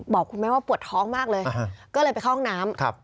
บอกคุณแม่ว่าปวดท้องมากเลยก็เลยไปเข้าห้องน้ำ